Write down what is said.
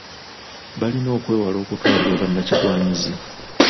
Balina okwewala okutwalibwa bannakigwanyizi.